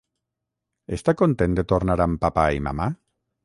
Està content de tornar amb papà i mamà?